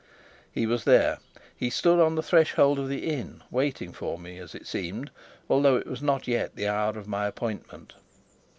He was there. He stood on the threshold of the inn, waiting for me, as it seemed, although it was not yet the hour of my appointment.